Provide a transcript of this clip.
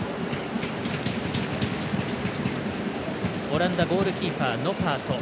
オランダ、ゴールキーパーノパート。